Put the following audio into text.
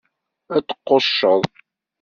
Ad tqucceḍ!